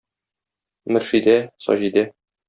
Мөршидә, Саҗидә.